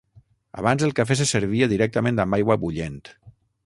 Abans el cafè se servia directament amb aigua bullent.